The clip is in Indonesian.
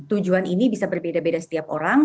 tujuan ini bisa berbeda beda setiap orang